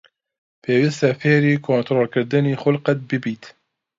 پێویستە فێری کۆنتڕۆڵکردنی خوڵقت ببیت.